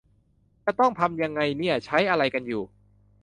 จะต้องทำยังไงเนี่ย ใช้อะไรกันอยู่